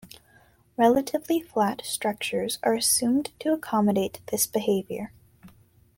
Relatively flat structures are assumed to accommodate this behavior.